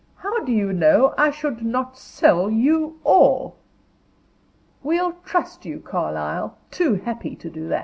"How do you know I should not sell you all?" "We'll trust you, Carlyle. Too happy to do it."